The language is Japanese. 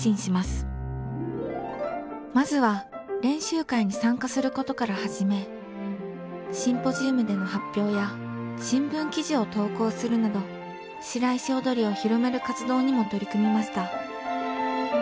まずは練習会に参加することから始めシンポジウムでの発表や新聞記事を投稿するなど白石踊を広める活動にも取り組みました。